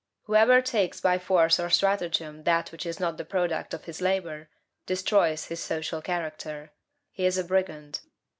Whoever takes by force or stratagem that which is not the product of his labor, destroys his social character he is a brigand.